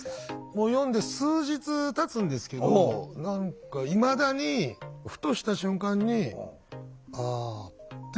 もう読んで数日たつんですけど何かいまだにふとした瞬間に「ああ」ってなってしまう。